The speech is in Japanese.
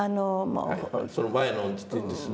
その前の時点ですね。